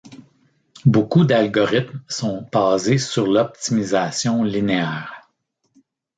Beaucoup d'algorithmes sont basées sur l'optimisation linéaire.